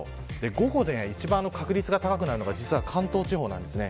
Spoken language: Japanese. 午後で一番確率が高くなるのは関東地方です。